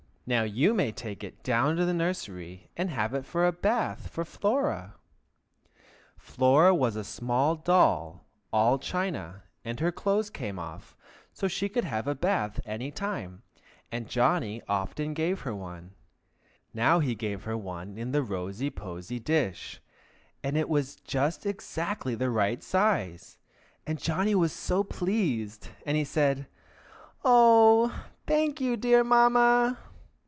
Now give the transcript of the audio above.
Now you may take it down into the nursery, and have it for a bath for Flora." [Illustration: "NOW HE GAVE HER ONE IN THE ROSY POSY DISH."] Flora was a small doll, all china, and her clothes came off, so she could have a bath any time, and Johnny often gave her one. Now he gave her one in the rosy posy dish, and it was just exactly the right size, and Johnny was so pleased, and said, "Oh, thank you, dear Mamma!"